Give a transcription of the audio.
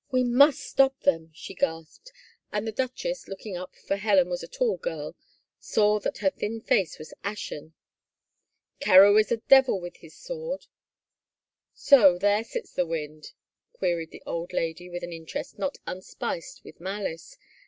" We must stop them," she gasped and the duchess, looking up, for Helen was a tall girl, saw that her thin face was ashen. " Carewe is a devil with his sword." " So there sits the wind ?" queried the old lady with an interest not unspiced with malice.